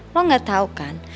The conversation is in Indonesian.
lo gak tau kan